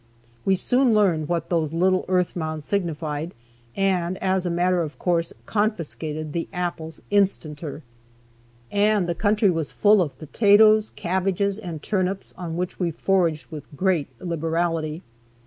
We soon learned what those little earth mounds signified, and, as a matter of course, confiscated the apples instanter. And the country was full of potatoes, cabbages, and turnips, on which we foraged with great liberality.